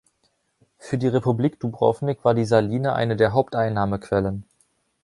Für die Republik Dubrovnik war die Saline eine der Haupteinnahmequellen.